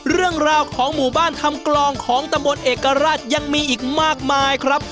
เรื่องราวของหมู่บ้านทำกลองของตำบลเอกราชยังมีอีกมากมายครับ